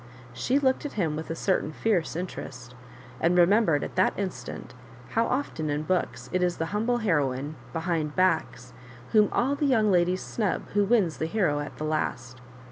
She looked at him with a certain fierce interest, and remembered at that instant how often in books it is the humble heroine, behind backs, whom all the young ladies snub, who wins the hero at the last.